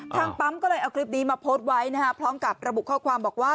ทางปั๊มก็เลยเอาคลิปนี้มาโพสต์ไว้นะครับพร้อมกับระบุข้อความบอกว่า